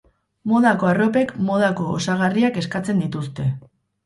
Modako arropek modako osagarriak eskatzen dituzte.